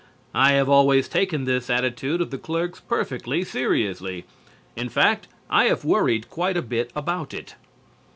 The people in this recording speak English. I have always taken this attitude of the clerks perfectly seriously. In fact, I have worried quite a bit about it.